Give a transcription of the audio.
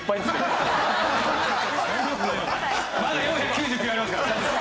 まだ４９９ありますから大丈夫です。